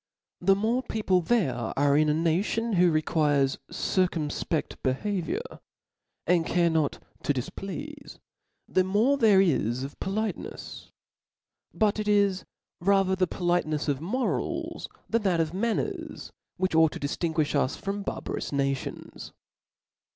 The more people there are in a nayon who require a circumfpe^ behaviour, and a care not to dif pleafe, the more there is of politenefs. But it is ra ther the politenefs of morah, than that of manners, which ought to diftinguiih lis from barbarous na tions.